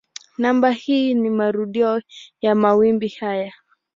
Namba hii ni marudio ya mawimbi haya.